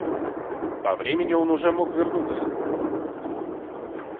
По времени он уже мог вернуться.